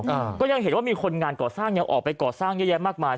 อ่าก็ยังเห็นว่ามีคนงานก่อสร้างยังออกไปก่อสร้างเยอะแยะมากมาย